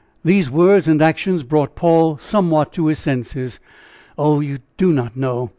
These words and actions brought Paul somewhat to his senses. "Oh! you do not know!